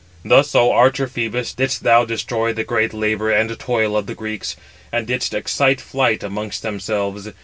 Thus, O archer Phœbus, didst thou destroy the great labour and toil of the Greeks, and didst excite flight amongst themselves.